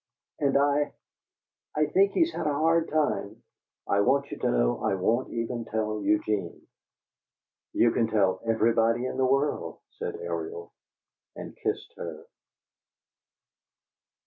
And I I think he's had a hard time. I want you to know I won't even tell Eugene!" "You can tell everybody in the world," said Ariel, and kissed her.